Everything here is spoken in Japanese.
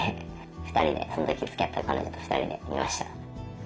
２人でそのときつきあってた彼女と２人で見ました。